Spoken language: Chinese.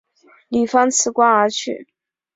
李芳辞官离去。